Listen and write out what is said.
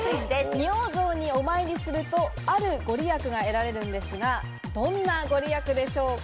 仁王像にお参りすると、ある御利益が得られるんですが、どんな御利益でしょうか。